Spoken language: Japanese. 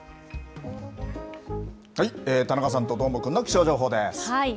田中さんとどーもくんの気象情報です。